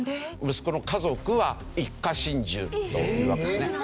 息子の家族は一家心中というわけですね。